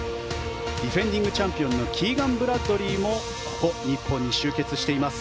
ディフェンディングチャンピオンのキーガン・ブラッドリーもここ、日本に集結しています。